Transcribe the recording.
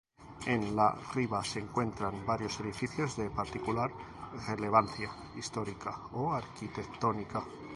En la "riva" se encuentran varios edificios de particular relevancia histórica o arquitectónica.